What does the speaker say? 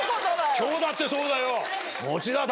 今日だってそうだよ。